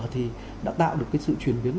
thì đã tạo được sự chuyển biến